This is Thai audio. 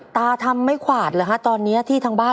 ตาทำไม่ขวาดเหรอฮะตอนนี้ที่ทางบ้าน